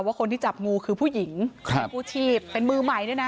ว่าคนที่จับงูคือผู้หญิงผู้ฉีดเป็นมือใหม่ด้วยนะ